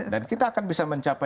dan kita akan bisa melobin